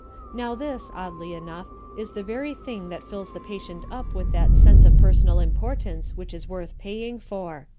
Now this, oddly enough, is the very thing that fills the patient up with that sense of personal importance which is worth paying for.